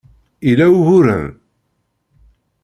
Ila uguren?